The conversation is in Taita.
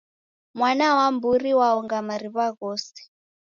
Mwana wa mburi waonga mariw'a ghose.